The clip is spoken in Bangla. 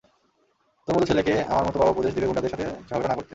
তোর মতো ছেলেকে আমার মতো বাবা উপদেশ দিবে গুন্ডাদের সাথে ঝগড়া না করতে।